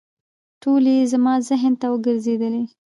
ټولې یې زما ذهن کې وګرځېدلې.